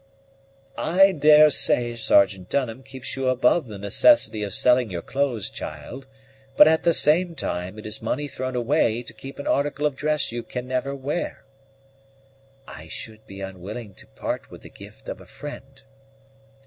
"I daresay Sergeant Dunham keeps you above the necessity of selling your clothes, child; but, at the same time, it is money thrown away to keep an article of dress you can never wear." "I should be unwilling to part with the gift of a friend."